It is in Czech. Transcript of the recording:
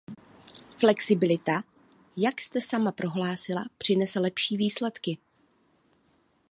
Flexibilita, jak jste sama prohlásila, přinese lepší výsledky.